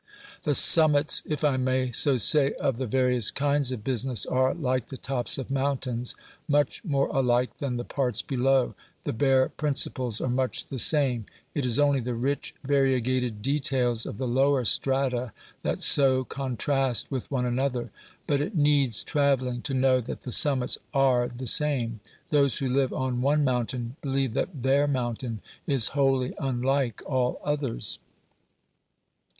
The summits (if I may so say) of the various kinds of business are, like the tops of mountains, much more alike than the parts below the bare principles are much the same; it is only the rich variegated details of the lower strata that so contrast with one another. But it needs travelling to know that the summits ARE the same. Those who live on one mountain believe that THEIR mountain is wholly unlike all others.